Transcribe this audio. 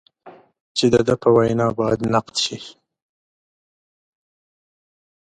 چې د ده په وینا باید نقد شي.